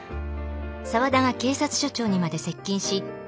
沢田が警察署長にまで接近し佳奈